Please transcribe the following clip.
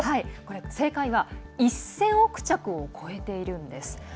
正解は１０００億着を超えているんです。